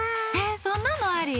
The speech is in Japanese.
そんなのあり？